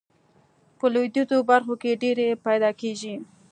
په لویدیځو برخو کې ډیرې پیداکیږي.